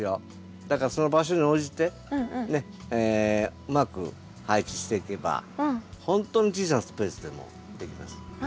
だからその場所に応じてうまく配置していけばほんとに小さなスペースでもできます。